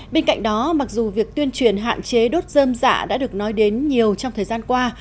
bên cạnh đó mặc dù việc tuyên truyền hạn chế đốt dơm dạ đã được nói đến nhiều trong thời gian qua